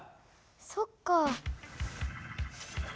そっか。